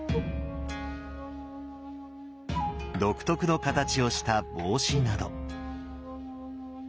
独特の形をした帽子など。